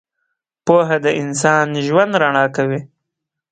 • پوهه د انسان ژوند رڼا کوي.